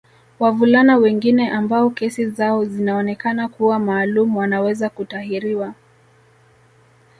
Wavulana wengine ambao kesi zao zinaonekana kuwa maalum wanaweza kutahiriwa